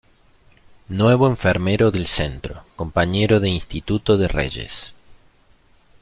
Nuevo enfermero del centro, compañero de instituto de Reyes.